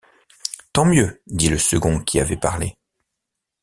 Tant mieux, dit le second qui avait parlé.